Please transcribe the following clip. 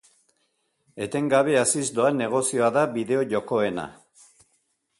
Etengabe haziz doan negozioa da bideo-jokoena.